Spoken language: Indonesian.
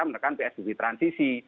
menekan psbp transisi